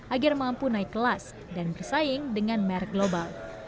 agar mampu naik kelas dan bersaing dengan merek global